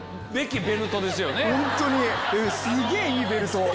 すげぇいいベルト！